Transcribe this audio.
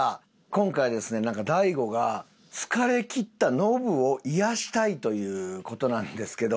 今回ですねなんか大悟が疲れきったノブを癒やしたいという事なんですけど。